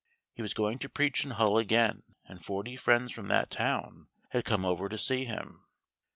He was going to preach in Hull again, and forty friends from that town had come over to see him.